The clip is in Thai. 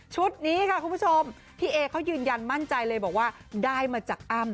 นี้ค่ะคุณผู้ชมพี่เอเขายืนยันมั่นใจเลยบอกว่าได้มาจากอ้ำ